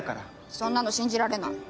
そんなの信じられない。